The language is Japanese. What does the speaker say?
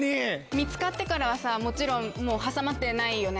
見つかってからはもちろんもう挟まってないよね？